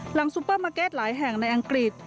ซูเปอร์มาร์เก็ตหลายแห่งในอังกฤษ